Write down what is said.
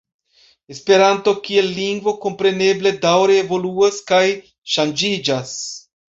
Esperanto kiel lingvo kompreneble daŭre evoluas kaj ŝanĝiĝas.